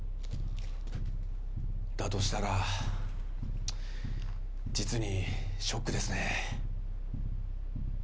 だとしたら実にショックですね。